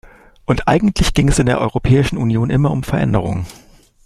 Und eigentlich ging es in der Europäischen Union immer um Veränderung.